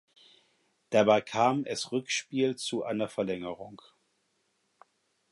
Dabei kam es Rückspiel zu einer Verlängerung.